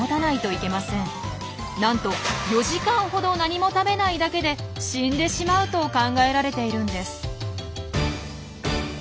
なんと４時間ほど何も食べないだけで死んでしまうと考えられているんです。